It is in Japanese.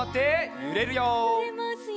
ゆれますよ。